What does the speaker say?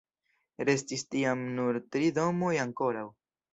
Restis tiam nur tri domoj ankoraŭ.